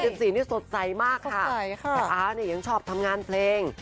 สีนี่สดใสมากค่ะแต่อาเนี่ยยังชอบทำงานเพลง